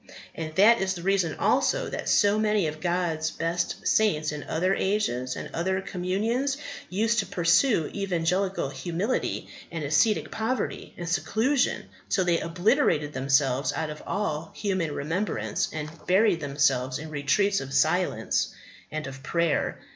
And that is the reason also that so many of God's best saints in other ages and other communions used to pursue evangelical humility and ascetic poverty and seclusion till they obliterated themselves out of all human remembrance, and buried themselves in retreats of silence and of prayer.